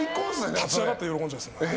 立ち上がって喜んじゃいますね。